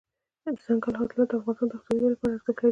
دځنګل حاصلات د افغانستان د اقتصادي ودې لپاره ارزښت لري.